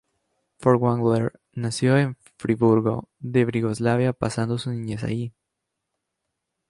Furtwängler nació en Friburgo de Brisgovia pasando su niñez allí.